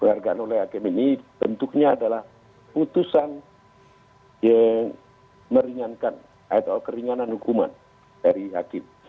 penghargaan oleh hakim ini bentuknya adalah putusan yang meringankan atau keringanan hukuman dari hakim